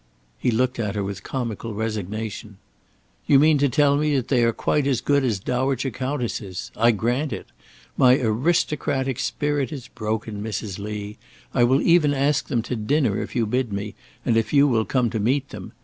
He looked at her with comical resignation. "You mean to tell me that they are quite as good as dowager countesses. I grant it. My aristocratic spirit is broken, Mrs. Lee. I will even ask them to dinner if you bid me, and if you will come to meet them.